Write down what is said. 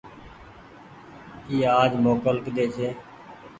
اي آج موڪل ڪيۮي ڇي۔